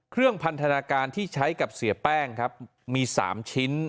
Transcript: พันธนาการที่ใช้กับเสียแป้งครับมี๓ชิ้น